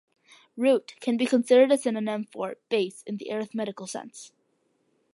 "Root" can be considered a synonym for "base" in the arithmetical sense.